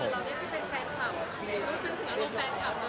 เราได้เป็นแฟนคลับรู้สึกถึงอารมณ์แฟนคลับมา